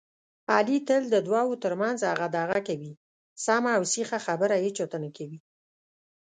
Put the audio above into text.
علي تل د دوو ترمنځ هغه دغه کوي، سمه اوسیخه خبره هېچاته نه کوي.